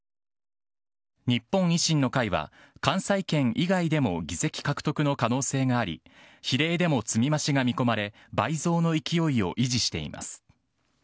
日本維新の会は、関西圏以外でも議席獲得の可能性があり、比例でも積み増しが見込まれ、倍増の勢いを維持しています。